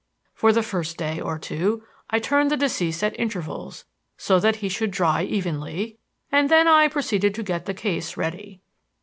For the first day or two I turned the deceased at intervals so that he should dry evenly, and then I proceeded to get the case ready.